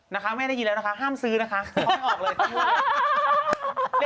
นะคะแม่ได้ยินแล้วนะคะห้ามซื้อนะคะเขาไม่ออกเลยสักหมดเลย